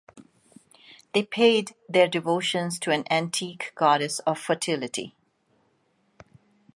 They paid their devotions to an antique goddess of fertility.